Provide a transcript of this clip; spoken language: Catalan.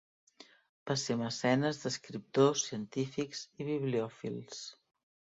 Va ser mecenes d'escriptors, científics i bibliòfils.